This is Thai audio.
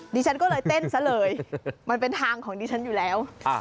ดิฉันก็เลยเต้นซะเลยมันเป็นทางของดิฉันอยู่แล้ว